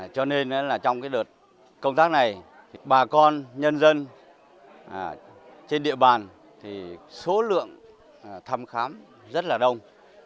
cho nên trong đợt công tác này bà con nhân dân trên địa bàn thì số lượng thăm khám rất là đông